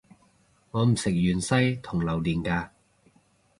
我唔食芫茜同榴連架